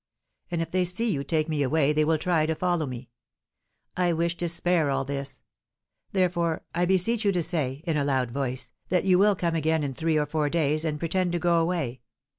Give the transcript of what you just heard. And if they see you take me away, they will try to follow me. I wish to spare all this. Therefore, I beseech you to say, in a loud voice, that you will come again in three or four days, and pretend to go away.